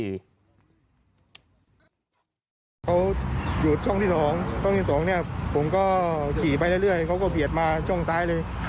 เขาหยุดช่องที่๒ช่องที่๒เนี่ยผมก็ขี่ไปเรื่อยเขาก็เบียดมาช่องซ้ายเลย